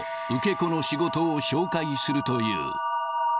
子の仕事を紹介するという。